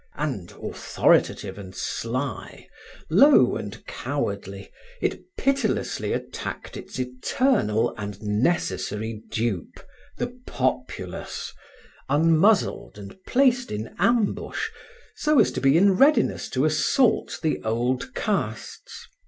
And, authoritative and sly, low and cowardly, it pitilessly attacked its eternal and necessary dupe, the populace, unmuzzled and placed in ambush so as to be in readiness to assault the old castes.